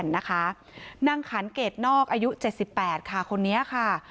นางขันเกรดนอกอายุ๗๘ค่ะคนนี้ค่ะ